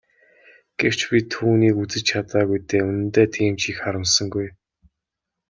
Гэвч би түүнийг үзэж чадаагүй дээ үнэндээ тийм ч их харамссангүй.